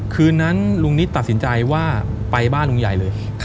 คืนนั้นลุงนิดตัดสินใจว่าไปบ้านลุงใหญ่เลย